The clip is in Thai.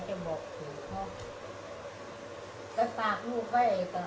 ก็ไม่เจอลูก